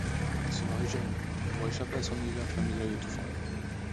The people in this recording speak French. Il se marie jeune, pour échapper à son univers familial étouffant.